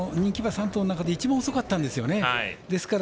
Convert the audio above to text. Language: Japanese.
３頭の中で一番遅かったんですよね。